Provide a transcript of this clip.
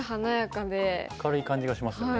明るい感じがしますよね。